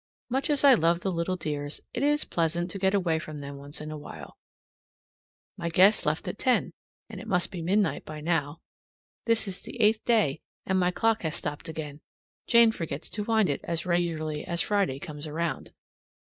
Much as I love the little dears, it is pleasant to get away from them once in a while. My guests left at ten, and it must be midnight by now. (This is the eighth day, and my clock has stopped again; Jane forgets to wind it as regularly as Friday comes around.)